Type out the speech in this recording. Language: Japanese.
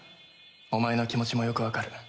お前の気持ちもよくわかる。